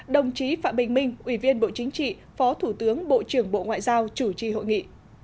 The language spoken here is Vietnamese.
đồng chí phạm bình minh ủy viên bộ chính trị phó thủ tướng bộ trưởng bộ ngoại giao chủ trì hội nghị